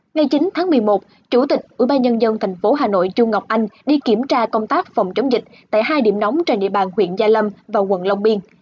ngày chín tháng một mươi một chủ tịch ủy ban nhân dân thành phố hà nội chu ngọc anh đi kiểm tra công tác phòng chống dịch tại hai điểm nóng trên địa bàn huyện gia lâm và quận long biên